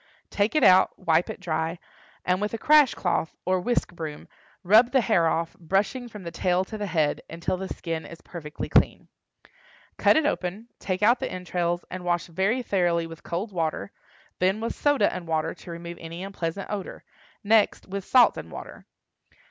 Take it out, wipe it dry, and with a crash cloth or whisk broom rub the hair off, brushing from the tail to the head, until the skin is perfectly clean. Cut it open, take out the entrails, and wash very thoroughly with cold water, then with soda and water, to remove any unpleasant odor; next with salt and water.